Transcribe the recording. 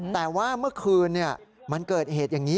แต่ว่าเมื่อคืนมันเกิดเหตุอย่างนี้